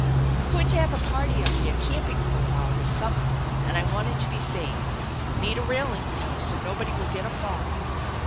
I'm going to have a party out here camping for a while this summer, and I want it to be safe. Need a railing, you know, so nobody will get a fall."